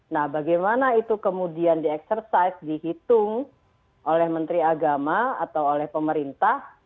nah bagaimana itu kemudian di exercise dihitung oleh menteri agama atau oleh pemerintah